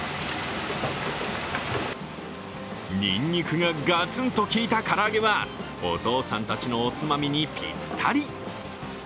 にんにくがガツンと効いた唐揚げはお父さんたちのおつまみにぴったり。